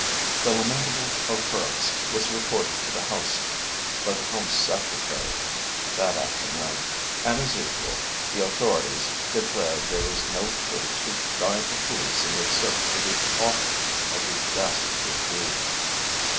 The lamentable occurrence was reported to the House by the Home Secretary that afternoon, and, as usual, the authorities declared there was no clue to guide the police in their search for the author of the dastardly deed.